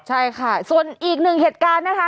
ใช่ค่ะส่วนอีกหนึ่งเหตุการณ์นะคะ